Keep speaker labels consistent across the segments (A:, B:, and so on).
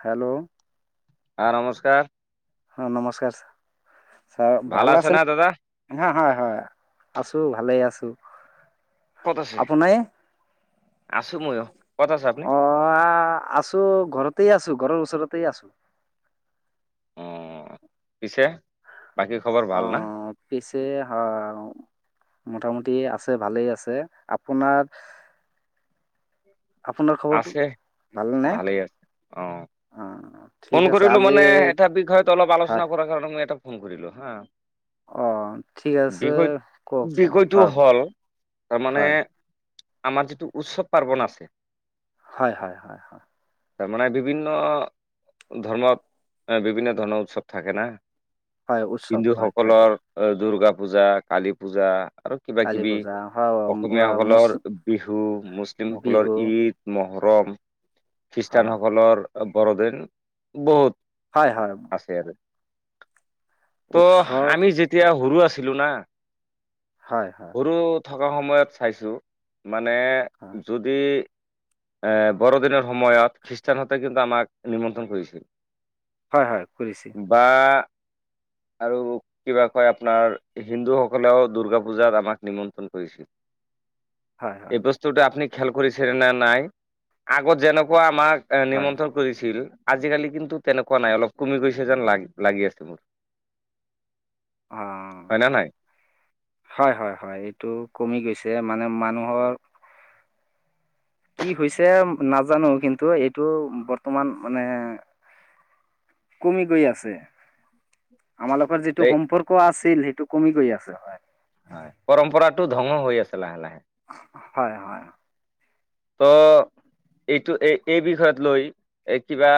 A: Hello
B: অ নমস্কাৰ
A: অ নমস্কাৰ ছাৰ ভাল
B: আছে না দাদা
A: আছেনে হয় হয় হয় আছোঁ ভালেই আছোঁ
B: ক'ত আছে
A: আপোনাই
B: আছো মইয় অ
A: আহ আছো ঘৰতেই আছো ঘৰৰ ওচৰতেই আছো
B: অ পিছে বাকী খবৰ
A: অ
B: ভাল না
A: পিছে অ মোটামুটি যদি আছে ভাল আছে আপোনাৰ আপোনাৰ খবৰটো
B: আছে
A: ভালনে
B: ভালেই আছে অ
A: অ
B: ফোন কৰিলো মানে এটা বিষয়ত অলপ
A: হয়
B: আলোচনা কৰাৰ কাৰণে মই এটা ফোন কৰিলো হা
A: অঁ ঠিক আছে
B: বিষয়
A: কওকচোন
B: বিষয়টো
A: হয়
B: হল তাৰ মমানে
A: হয়
B: আমাৰ যিটো উৎসৱ পাৰ্বন আছে
A: হয় হয় হয়।
B: তাৰমানে বিভিন্ন ধৰ্মত বিভিন্ন ধৰনৰ উৎসৱ থাকে ন
A: হয় উৎসৱ
B: হিন্দু
A: হয় থাকে
B: সকলৰ দূৰ্গা পূজা, কালী পূজা। আৰু কিবা
A: কালী
B: কিবি
A: পূজা হয় মুছ
B: অসমীয়াসকলৰ বিহু মুছলিমসকলৰ
A: বিহু
B: ঈদ মহ
A: হয়
B: খ্ৰীষ্টানসকলৰ বৰদিন বহুত
A: হয় হয়
B: আছে আৰু। ত'
A: উৎসৱ
B: আমি যেতিয়া সৰু আছিলো না!
A: হয় হয়।
B: সৰু থকা সময়ত চাইছোঁ, মানে
A: হয়।
B: যদি এ বৰদিনৰ সময়ত খ্ৰীষ্টানহঁতে কিন্তু আমাক নিমন্ত্ৰণ কৰিছিল।
A: হয় হয় কৰিছে।
B: বা [inaudible] আৰু কিবা কয় আপোনাৰ হিন্দুসকলেও দুৰ্গা পূজাত আমাক নিমন্ত্ৰণ কৰিছিল।
A: হয়,
B: এই
A: হয়,
B: বস্তুটো আপুনি খেয়েল কৰিছেনে নাই? আগত যেনেকুৱা আমাক এ
A: হয়।
B: নিমন্ত্ৰণ কৰিছিল। আজিকালি কিন্তু তেনেকুৱা নাই অলপ কমি গৈছে যেন লাগ লাগি আছে মোৰ। হয়
A: অ',
B: না নাই
A: হয় হয় হয়, এইটো কমি গৈছে। মানে, মানুহৰ কি হৈছে নাজানো। কিন্তু এইটো, বৰ্তমান মানে কমি গৈ আছে। আমাৰ লোকৰ যিটো
B: এই
A: সম্পৰ্ক আছিল সেইটো কমি গৈ আছে, হয়।
B: হয় পৰম্পৰাটো ধ্বংঅ হৈ আছে লাহে লাহে।
A: হয়, হয়।
B: ত' এইটো এই এই বিষয়ত লৈ এ কিবা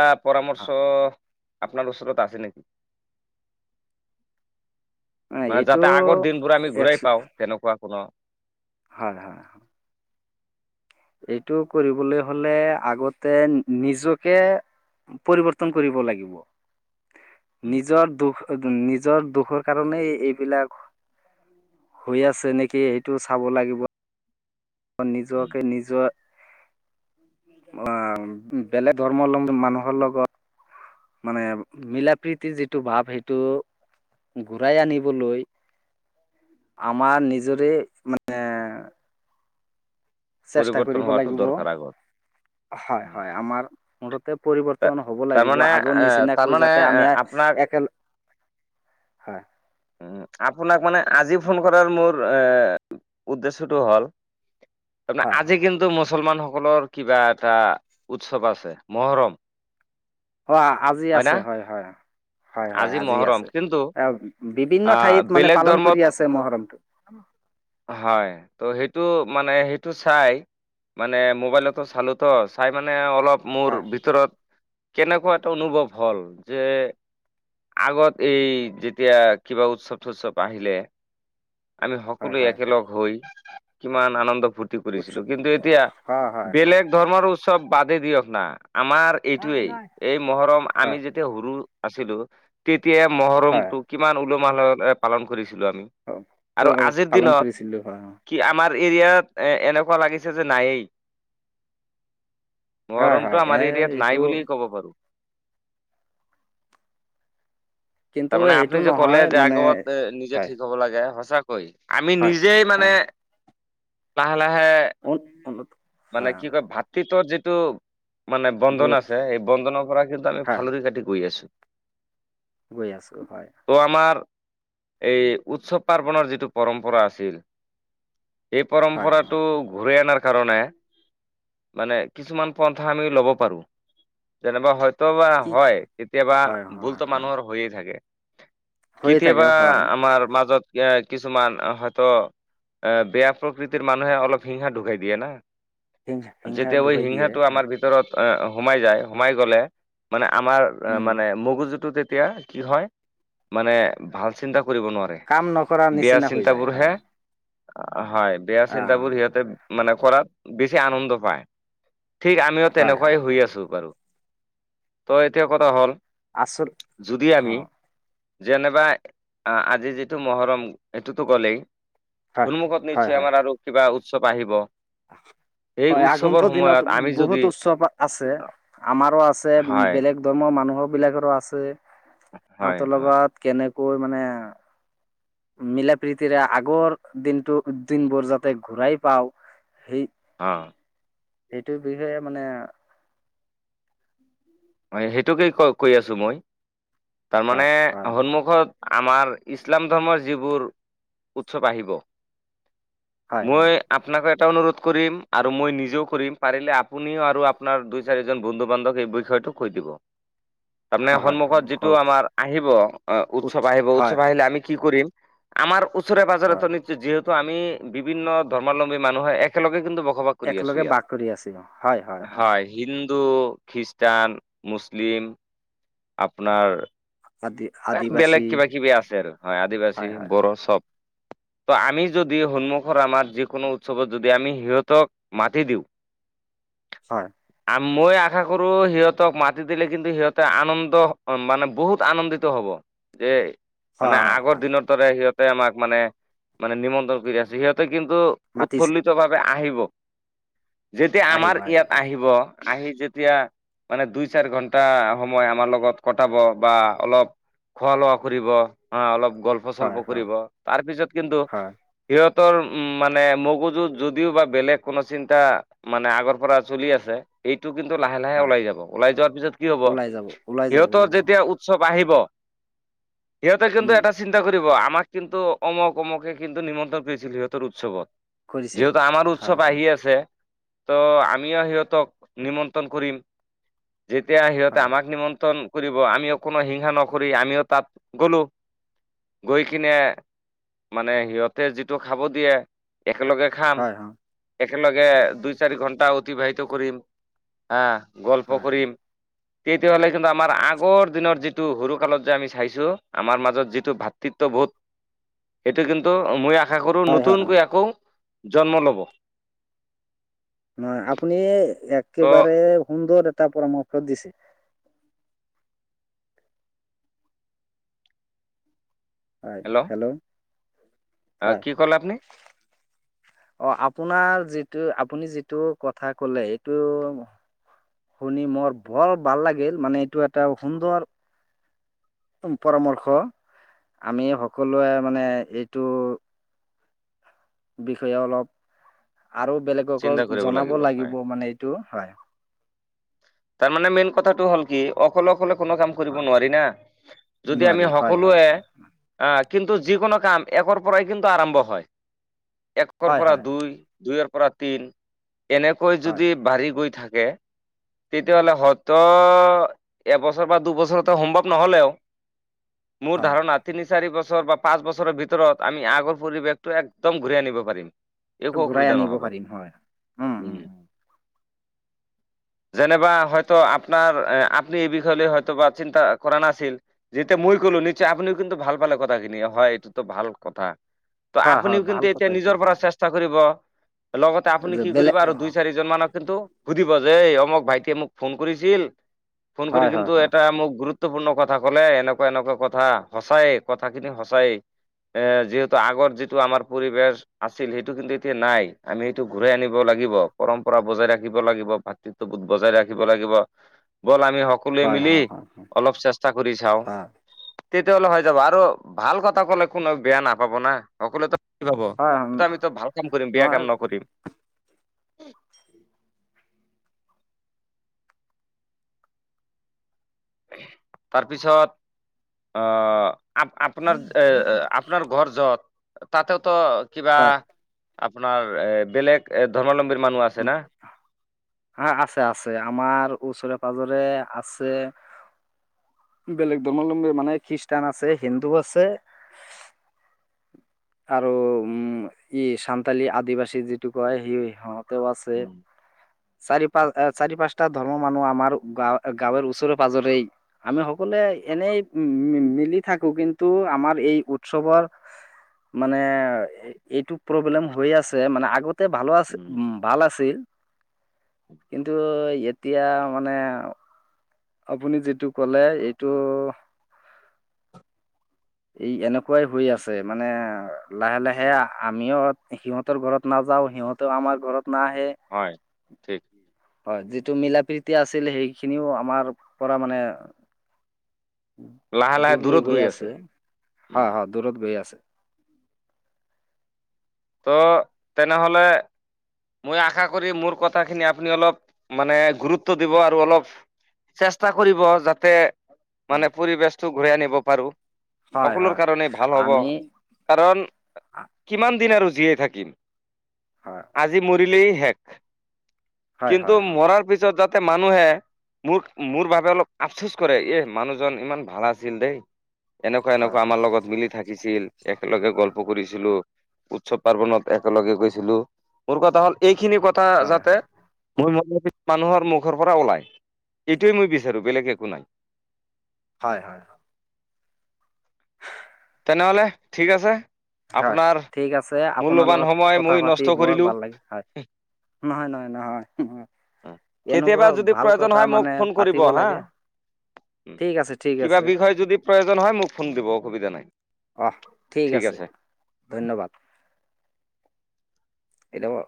A: হয়,
B: পৰামৰ্শ আপোনাৰ ওচৰত আছে নেকি?
A: নাই,
B: মানে,
A: এইটো
B: যাতে আগৰ দিনবোৰ আমি
A: একচ
B: ঘূৰাই পাওঁ তেনেকুৱা কোনো
A: হয়, হয়, হয়। এইটো কৰিবলৈ হলে আগতে নিজকে পৰিৱৰ্তন কৰিব লাগিব।
B: উম,
A: নিজৰ দুখ নিজৰ দোষৰ কাৰণেই এই- এইবিলাক হৈয়ে আছে নেকি, সেইটো চাব লাগিব। অ',
B: উম।
A: নিজকে নিজৰ
B: [inaudible]
A: অ' বেলেগ ধৰ্মাৱলম্বী মানুহৰ লগত মানে মিলাপ্ৰীতিৰ যিটো ভাৱ সেইটো ঘূৰাই আনিবলৈ আমাৰ নিজৰে, মানে চেষ্টা
B: পৰিৱৰ্তন
A: কৰিব
B: হোৱাটো
A: লাগিব।
B: দৰকাৰ আগত
A: হয়, হয়। আমাৰ মুঠতে
B: তা
A: পৰিৱৰ্তন হ'ব লাগিব,
B: তাৰমানে
A: আগৰ
B: এ
A: নিচিনাকৈ
B: তাৰমানে
A: যাতে
B: এ আপোনাক
A: আমিয়ে [unintelligible]
B: [unintelligible]
A: হয়।
B: উ আপোনাক মানে আজি ফোন কৰাৰ মোৰ এ উদ্দেশ্যটো হ'ল, আপোনা
A: হয়
B: আজি
A: হয়
B: কিন্তু মজ্‌ মুছলমানসকলৰ কিবা এটা উৎসৱ আছে, মহৰম।
A: অ আজি আছে, হয় হয়। হয়, হয় আজি
B: মহৰম
A: আছে।
B: কিন্তু
A: এ বিভিন্ন
B: আহ
A: ঠাইত মানে
B: বেলেগ
A: পালন
B: ধৰ্মত
A: কৰি আছে মহৰমটো [unintelligible]
B: হয়, ত' সেইটো মানে, সেইটো চাই মানে, মোবাইলতো চালোতো, চাই মানে, অলপ মোৰ
A: হয়
B: ভিতৰত কেনেকুৱা এটা অনুভৱ হ'ল যে আগত, এই যেতিয়া কিবা উৎসৱ -থোৎসৱ আহিলে, আমি সক
A: হয়
B: সকলো
A: হয় হয়
B: একেলগ হৈ, কিমান আনন্দ ফূৰ্তি
A: উৎস
B: কৰিছিলোঁ। কিন্তু এতিয়া
A: হয় হয় হয়
B: বেলেগ ধৰ্মৰ উৎসৱ বাদে দিয়ক না আমাৰ এইটোৱেই এই মহৰম আমি
A: হয়
B: যেতিয়া সৰু আছিলো তে এ
A: হয়
B: মহৰমটো কিমান উলহ মালহেৰে পালন কৰিছিলোঁ আমি আৰু
A: প-
B: আজিৰ
A: পালন
B: দিনত
A: কৰিছিলোঁ। হয়, হয়।
B: কি আমাৰ এৰিয়াত এ এনেকুৱা লাগিছে যে নায়েই।
A: হয়
B: মৰমটো
A: হয়, এ
B: আমাৰ এৰিয়াত
A: এইটো
B: নাই বুলি ক'ব পাৰো।
A: কিন্তু
B: তাৰমানে
A: সেইটো
B: আপুনি যে কলে
A: নহয়
B: যে
A: মানে
B: আগত নিজে
A: হয়
B: ঠিক হব লাগে সচ হয়, আমি
A: হয়
B: নিজেই মানে
A: হয়
B: লাহে -লাহে
A: উন- উন্নত
B: মানে
A: হয় অ,
B: কি কয় ভাতৃত্বত যিটো মানে বন্ধন
A: বহুত
B: আছে স বন্ধনৰ পৰা কিন্তু আমি
A: হয়
B: ফালৰি কাটি গৈ আছোঁ।
A: গৈ আছো হয়।
B: ত' আমাৰ এই উৎসৱ পাৰ্বণৰ যিটো পৰম্পৰা আছিল। এই
A: হয় হয়
B: পৰম্পৰাটো ঘূৰাই অনাৰ কাৰণে মানে কিছুমান পন্থা আমি ল'ব পাৰো। যেনেবা হয় ত বা
A: কি
B: হয় কেতিয়াবা
A: হয় হয়
B: ভুলতো
A: হয়
B: মানুহৰ হৈয়েই থাকে।
A: হৈয়ে থাকে
B: কেতিয়াবা
A: হয়
B: আমাৰ মাজত এ কিছুমান হয়তো অ বেয়া প্ৰকৃতিৰ মানুহে অলপ হিংসা দেখুওৱাই দিয়ে না।
A: হিংসা হিংসা
B: যেতিয়া ঐ
A: দুখাই দিয়ে
B: সিংহাটো আমাৰ
A: হয়
B: ভিতৰত এ-সোমাই যায়, সোমাই গ'লে, মানে আমাৰ,
A: উম
B: মানে মগজুটোত তেতিয়া কি হয়? মানে ভাল চিন্তা কৰিব নোৱাৰে।
A: কাম নকৰা
B: বেয়া
A: নিচিনা হৈ যায়
B: চিন্তাবোৰ হে
A: হয়
B: হয়, বেয়া
A: অ
B: চিন্তাবোৰ সিহঁতে মানে কৰাত বেছি আনন্দ পায়। ঠিক আমিও
A: হয় হয়
B: তেনেকুৱাই হৈ আছোঁ বাৰু। ত এতিয়া কথা হ'ল
A: আচল,
B: যদি
A: হা
B: আমি যেনেবা আজি যিটো মহৰম সেইটোতো গলেই।
A: হয়
B: সন্মুখত
A: হয়
B: নিশ্চয়,
A: হয়
B: আমাৰ আৰু কিবা উৎসৱ আহিব?
A: [unintelligible]
B: সেই
A: হয়
B: উৎসৱৰ
A: আগন্তুক দিনত
B: সময়ত আমি
A: বহুত
B: যদি
A: উৎসৱ আছে। আমাৰো আছে
B: হয়
A: বেলেগ ধৰ্মৰ মানুহৰ বিলাকৰো আছে।
B: হয়
A: সিহঁতৰ
B: হয়
A: লগত কেনেকৈ মানে মিলা প্ৰীতিৰে আগৰ দিনটো দিনবোৰ যাতে ঘূৰাই পাওঁ সেই
B: হয়।
A: সেইটোৰ বিষয়ে মানে
B: সেইটোকে কৈ আছো মই, তাৰমানে
A: হয় হয়
B: সন্মুখত আমাৰ ইছলাম ধৰ্মৰ, যিবোৰ উৎসৱ আহিব
A: হয় অ
B: মই আপনাক অনুৰোধ কৰিম আৰু মই নিজেও কৰিম। পাৰিলে আপুনিও আৰু আপোনাৰ দুই-চাৰিজন, বন্ধু-বান্ধৱ এই বিষয়টোক কৈ দিব। তাৰমানে
A: হয় হয়
B: সন্মুখত যিটো
A: কওক
B: আমাৰ আহিব
A: উঠ
B: উৎসৱ আহিব
A: হয়
B: উৎসৱ আহিলে আমি কি কৰিম। আমাৰ ওচৰে পাজৰতে
A: হয়
B: নিশ্চয় যিহেতু আমি বিভিন্ন ধৰ্মালম্বী মানুহে একেলগে কিন্তু বসবাস কৰি আছো
A: একেলগে
B: ইয়াত।
A: বাস কৰি আছো হয়
B: হয়, হিন্দু হিন্দু খ্ৰীষ্টান মুছলিম আপোনাৰ।
A: আদি
B: এহ বেলেগ
A: আদিবাসী
B: কিবাকিবি আছে আৰু। হয়, আদিবাসী,
A: হয় হয় হয়
B: বড়ো চব ত আমি যদি সন্মুখৰ আমাৰ যিকোনো উৎসৱত যদি আমি সিহঁতক মাতি দিওঁ [unintelligible]
A: হয়।
B: মই আশা কৰো সিহঁতক মাতি দিলে কিন্তু সিহঁতে আনন্দ মানে বহুত আনন্দিত ইটো হ'ব। যে মানে
A: হয় হয় হয়
B: আগৰদিনৰ দৰে সিহঁত তে আমাক মানে, মানে নিমন্ত্ৰণ কৰি আছে। সিহঁতে কিন্তু
A: মাতিছে
B: উৎফুল্লিতভাবে আহিব। যেতিয়া আমাৰ ইয়াত আহিব আহি যেতিয়া মানে দুই চাৰি ঘন্টা সময় আমাৰ লগত কটাব বা অলপ খোৱা লোৱা কৰিব। অ, অলপ গল্প চল্প
A: হয় হয়
B: কৰিব, তাৰপিছত কিন্তু
A: হয়
B: সিহঁত তোৰ, উম মানে, মগজুত যদিও বা বেলেগ কোনো চিন্তা, মানে আগৰ পৰা চলি আছে এইটো কিন্তু লাহে লাহে
A: হয়
B: ওলাই যাব ওলাই যোৱাৰ পিছত কি হব
A: ওলাই যাব ওলাই যাব
B: সিহঁতৰ
A: ওলাই যাব
B: যেতিয়া উৎসৱ আহিব। সিহঁতে কিন্তু
A: উম,
B: এটা চিন্তা কৰিব। আমাক কিন্তু অমক, অমকে কিন্তু নিমন্ত্ৰণ কৰিছিল সিহঁতৰ উৎসৱত।
A: কৰিছিল
B: যিহেতু আমাৰ উৎসৱ
A: হয়, হয়,
B: আহি আছে। ত, আমিও সিহঁতক নিমন্ত্ৰণ কৰিম। যেতিয়া সিহঁতে
A: হয়,
B: আমাক নিমন্ত্ৰণ কৰিব, আমিও কোনো হিংসা নকৰি আমিও তাত গ'লোঁ। গৈ কিনে, মানে সিহঁতে যিটো খাব দিয়ে একেলগে খাম
A: হয়, হয়,
B: একেলগে দুই চাৰি ঘণ্টা টা অতিবাহিত কৰিম হা গল্প
A: হয়,
B: কৰিম। তেতিয়াহ'লে কিন্তু আমাৰ আগৰ দিনৰ যিটো সৰু কালত যে আমি চাইছো, আমাৰ মাজত যিটো ভাতৃত্ববোধ সেইটো কিন্তু মই আশা কৰোঁ
A: হয়, হয়, হয়।
B: নতুনকৈ আকৌ জন্ম ল'ব
A: নহ আপুনি
B: ত'
A: একেবাৰে সুন্দৰ এটা পৰামৰ্শ দিছে। হয় হেল্ল'
B: আহ,
A: হয়।
B: কি কলে আপোনি?
A: অ আপোনাৰ যিটো আপুনি যিটো কথা কলে এইটো শুনি মোৰ বৰ ভাল লাগিল মানে এইটো এটা সুন্দৰ পৰামৰ্শ আমি সকলোৱে মানে এইটো বিষয়ে অলপ আৰু বেলেগকো
B: চিন্তা কৰিব
A: জনাব
B: হয়
A: লাগিব মানে এইটো হয়।
B: তাৰমানে মেইন কথাটো হ'ল কি অকলে অকলে কোনো কাম কৰিব
A: হয়।
B: নোৱাৰি না যদি আমি
A: নোৱাৰি হয়, হয়,
B: সকলোৱে
A: হয়,
B: কিন্তু যিকোনো কাম একৰ পৰাই কিন্তু আৰম্ভ হয় একৰ
A: হয়,
B: পৰা
A: হয়,
B: দুই দুইৰ পৰা পৰা তি, ন এনেকৈ
A: হয়,
B: যদি বাঢ়ি গৈ থাকে তেতিয়াহলে হয়ত এবছৰ বা দুবছৰ ত সম্মত নহ'লেও, মোৰ
A: হয়।
B: ধাৰণা আতি নিশ চাৰি বছৰ বা পাঁচ বছৰৰ ভিতৰত আমি আগৰ পৰিৱেশটো একদম ঘূৰাই আনিব পাৰিম। একো
A: ঘূৰাই
B: অসুবিধা
A: আনিব
B: নহব
A: পাৰিম হয়।
B: উম।
A: উম, উম,
B: যেনেবা হয়তো আপোনাৰ আপুনি এই বিষয় লৈ হয়তো বা চিন্তা কৰা নাছিল যেতিয়া মই লো নিশ্চয় আপনিও কিন্তু ভাল পালে কথাখিনি হয় এইটো ভাল কথা ত
A: হয়, হয়,
B: আপুনিও কিন্তু
A: ভাল
B: এতিয়া
A: কথা এইটো
B: নিজৰ পৰা
A: হয়।
B: চেষ্টা কৰিব। লগতে আপুনি
A: যে
B: কি কৰিব
A: বেলেগ
B: আৰু
A: হয়,
B: দুই চাৰিজন মানক কিন্তু সুধিব যে এই অমক ভাইটিয়ে মোক ফোন কৰিছিল ফোন
A: হয়,
B: কৰি
A: হয়,
B: কিন্তু
A: হয়,
B: এটা মোক গুৰুত্ব গুৰুত্বপূৰ্ণ কথা কলে এনেকুৱা এনেকুৱা কথা সঁচায়ে কথাখিনি সঁচায়ে। যিহেতু আগৰ যিটো আমাৰ পৰিৱেশ আছিল সেইটো কিন্তু এতিয়া নাই আমি সেইটো ঘূৰাই আনিব লাগে লাগিব পৰম্পৰা বজাই ৰাখিব লাগিব ভাতৃত্ববোধ বজাই ৰাখিব লাগিব বল আমি আমি সকলোৱে
A: হয়,
B: মিলি
A: হয়, হয়,
B: অলপ চেষ্টা কৰি চাওঁ।
A: হয়,
B: তেতিয়াহ'লে হৈ যাব আৰু ভাল কথা ক'লে কোনো বেয়া নাপাব না সকলোতো কি ভাব
A: উম,
B: আমিতো ভাল কাম কৰিম বেয়া
A: নহয়
B: কাম নকৰিম [inaudible] তাৰপিছত আহ আ আপোনাৰ এ আপোনাৰ ঘৰ যত তাতেওতো কিবা
A: হয়।
B: আপোনাৰ বেলেগ ধৰ্মাৱলম্বীৰ। মানুহ আছে না।
A: হ আছে আছে আমাৰ ওচৰে পাজৰে আছে বেলেগ ধৰ্মাৱলম্বী মানে খ্ৰীষ্টান আছে হিন্দু আছে আৰু উম ই চান্তালী আদিবাসী যিটো কয় সি হওঁক আছে
B: উম,
A: চাৰি -পাঁচ এ, চাৰি পাঁচটা ধৰ্মৰ মানুহ আমাৰ গাৱ গাঁৱৰ ওচৰে পাজৰেই আমি সকলোৱে এনেই মিলি থাকো কিন্তু আমাৰ এই উৎসৱৰ মানে এইটো প্ৰব্লেম হৈ আছে মানে আগতে ভালো আছে
B: উম।
A: ভাল আছে কিন্তু এতিয়া মানে, আপুনি যিটো কলে এইটো এই এনেকুৱাই হৈ আছে মানে লাহে লাহে আমিও সিহঁতৰ ঘৰত নায যাও সিহঁতেও আমাৰ ঘৰত নাহে
B: হয়, ঠিক
A: হয় যিটো মিলা প্ৰীতি আছিল সেইখিনিও আমাৰ পৰা মানে
B: লাহে লাহে
A: দূৰ
B: দূৰত
A: লৈ গৈ আছে হা
B: উম,
A: হা দূৰত গৈ আছে।
B: তো তেনেহ'লে মই আশা কৰি মোৰ কথাখিনি আপুনি অলপ মানে গুৰুত্ব দিব আৰু অলপ চেষ্টা কৰিব যাতে মানে পৰিবেশতটো ঘূৰাই আনিব পাৰো।
A: হয়
B: সকলোৰ
A: হয়
B: কাৰণে ভাল হব
A: আমি
B: কাৰণ কিমান দিন আৰু জীয়াই থাকিম,
A: হয়
B: আজি মৰিলেই শেষ।
A: হয়
B: কিন্তু
A: হয় হয় হয়
B: মৰাৰ পিছত যাতে মানুহে মোৰ মোৰ বাবে অলপ আফচোচ কৰে এ মানুহজন ইমান ভাল আছিল দেই এনেকুৱা
A: হয়
B: এনেকুৱা আমাৰ লগত মিলি থাকিছিল একেলগে গল্প কৰিছিলো উৎসৱ। পাৰ্বনত একেলগে গৈছিলো মোৰ কথা হ'ল এইখিনি কথা
A: হয়
B: যাতে মই ম মানুহৰ মুখৰ পৰা ওলাই, এইটোৱে মই বিচাৰো বেলেগ একো নাই।
A: হয় হয়।
B: তেনেহ'লে ঠিক আছে
A: হয়
B: আপোনাৰ
A: ঠিক আছে আপোনাৰ
B: মূল্যবান
A: লগত
B: সময়
A: কথা
B: মই
A: পাতি
B: নষ্ট
A: বৰ
B: কৰিলো।
A: ভাল লাগে হয়। নহয়, নহয়, নহয়। এনেকুৱা
B: কেতিয়াবা যদি
A: ভাল
B: প্ৰয়োজন
A: কথা
B: হয় মোক
A: মানে
B: ফোন কৰিব
A: পাতিব
B: হা।
A: লাগে। ঠিক আছে, ঠিক আছে।
B: কিবা বিষয় যদি প্ৰয়োজন হয় মোক ফোন দিব অসুবিধা নাই।
A: আহ ঠিক আছে ধন্যবাদ। কেতিয়াবা